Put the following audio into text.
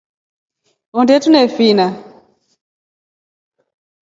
Onde tunefina.